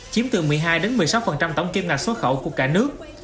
chiếm từ một mươi hai một mươi sáu tổng kim ngạch xuất khẩu của cả nước